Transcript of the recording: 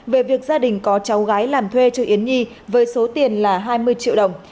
về việc gia đình có cháu gái làm thuê cho yến nhi với số tiền là hai mươi triệu đồng